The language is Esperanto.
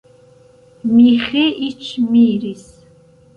Miĥeiĉ miris.